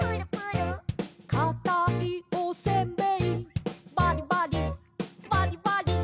「かたいおせんべいバリバリバリバリ」